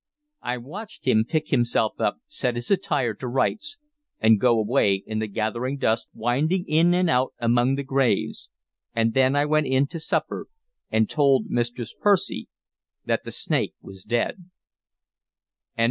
I watched him pick himself up, set his attire to rights, and go away in the gathering dusk, winding in and out among the graves; and then I went in to supper, and told Mistress Percy that the snake was dead.